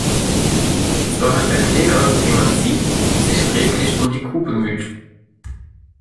Zwar hat der Kläger, wie man sieht, sich redlich um die Kuh bemüht.